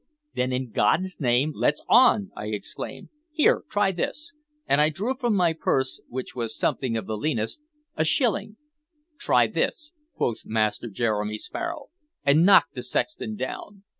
"Then, in God's name, let's on!" I exclaimed "Here, try this!" and I drew from my purse, which was something of the leanest, a shilling. "Try this," quoth Master Jeremy Sparrow, and knocked the sexton down.